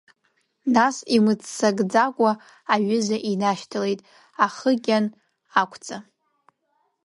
Нас имыццакӡакәа аҩыза инашьҭалеит, ахы қьан ақәҵа.